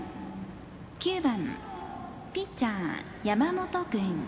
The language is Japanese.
９番ピッチャー、山本君。